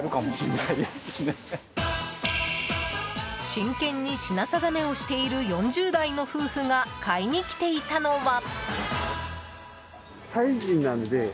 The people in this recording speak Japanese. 真剣に品定めをしている４０代の夫婦が買いに来ていたのは。